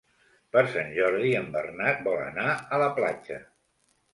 Per Sant Jordi en Bernat vol anar a la platja.